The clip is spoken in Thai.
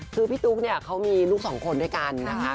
คือพี่ตุ๊กเนี่ยเขามีลูกสองคนด้วยกันนะคะ